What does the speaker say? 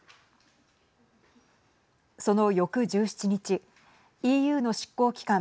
その翌１７日ＥＵの執行機関